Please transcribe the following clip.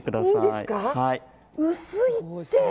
薄いって！